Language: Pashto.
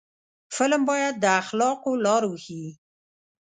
فلم باید د اخلاقو لار وښيي